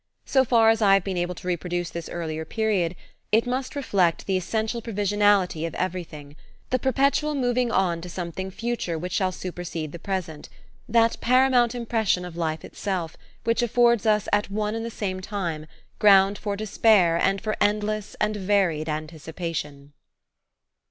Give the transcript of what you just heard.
So far as I have been able to reproduce this earlier period, it must reflect the essential provisionality of everything; "the perpetual moving on to something future which shall supersede the present," that paramount impression of life itself, which affords us at one and the same time, ground for despair and for endless and varied anticipation.